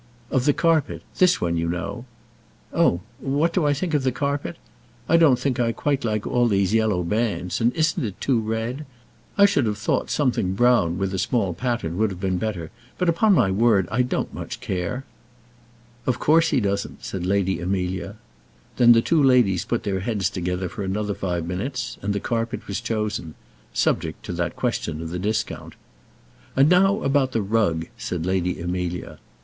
"Of the carpet this one, you know!" "Oh what do I think of the carpet? I don't think I quite like all these yellow bands; and isn't it too red? I should have thought something brown with a small pattern would have been better. But, upon my word, I don't much care." "Of course he doesn't," said Lady Amelia. Then the two ladies put their heads together for another five minutes, and the carpet was chosen subject to that question of the discount. "And now about the rug," said Lady Amelia.